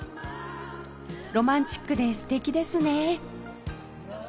ロマンチックで素敵ですね